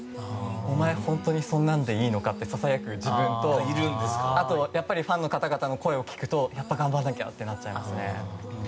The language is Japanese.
お前、本当にそんなんでいいのかとささやく自分とあと、ファンの方々の声を聞くとやっぱり頑張らなきゃって思っちゃいますね。